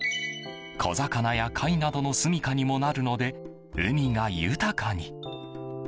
小魚や貝などのすみかにもなるので海が豊かに。